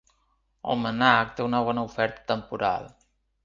El MNAC té una bona oferta temporal.